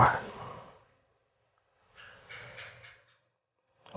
tapi kamu jangan lupa